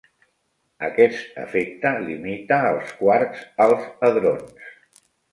Aquest efecte limita els quarks als hadrons.